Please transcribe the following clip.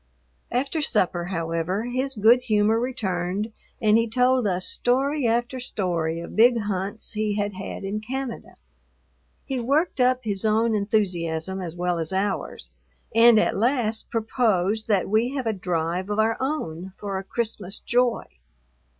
After supper, however, his good humor returned and he told us story after story of big hunts he had had in Canada. He worked up his own enthusiasm as well as ours, and at last proposed that we have a drive of our own for a Christmas "joy."